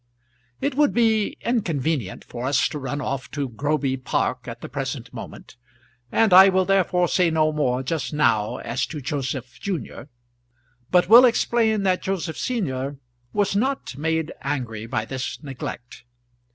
It would be inconvenient for us to run off to Groby Park at the present moment, and I will therefore say no more just now as to Joseph junior, but will explain that Joseph senior was not made angry by this neglect.